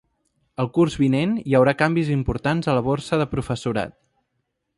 El curs vinent hi haurà canvis importants a la borsa de professorat.